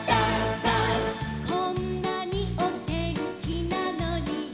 「こんなにおてんきなのにね」